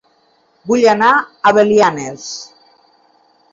Vull anar a Belianes